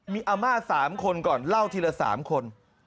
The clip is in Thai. มีอาม่า๓คนก่อนเล่าทีละ๓คน